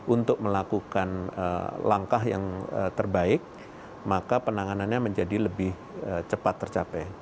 untuk melakukan langkah yang terbaik maka penanganannya menjadi lebih cepat tercapai